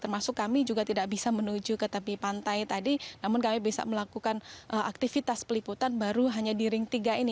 termasuk kami juga tidak bisa menuju ke tepi pantai tadi namun kami bisa melakukan aktivitas peliputan baru hanya di ring tiga ini